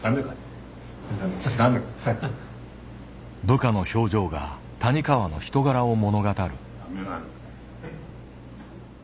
部下の表情が谷川の人柄を物語る。